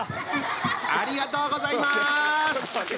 ありがとうございます。